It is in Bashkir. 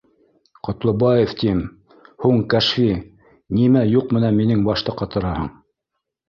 — Ҡотлобаев, тим, һуң Кәшфи, нимә юҡ менән минең башты ҡатыраһың